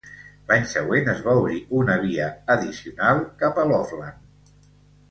L'any següent es va obrir una via addicional cap a Loveland.